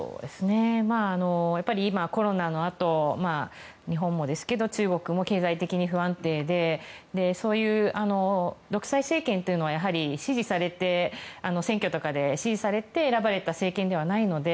やっぱり今、コロナのあと日本もですけど中国も経済的に不安定でそういう独裁政権というのは選挙とかで支持されて選ばれた政権ではないので。